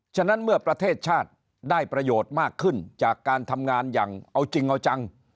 ฉะนั้นเมื่อประเทศชาติได้ประโยชน์มากขึ้นจากการทำงานอย่างเอาจริงเอาจัง